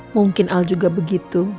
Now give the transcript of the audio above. mungkin al juga begitu